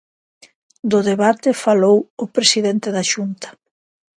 Do debate falou o presidente da Xunta.